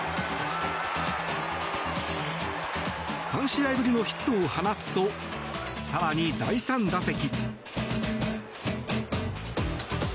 ３試合ぶりのヒットを放つと更に、第３打席。